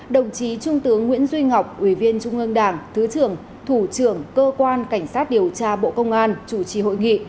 đồng chí trung tướng nguyễn duy ngọc ủy viên trung ương đảng thứ trưởng thủ trưởng cơ quan cảnh sát điều tra bộ công an chủ trì hội nghị